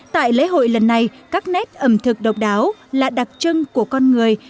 tại lễ hội lần này các nét ẩm thực độc đáo là đặc trưng của con người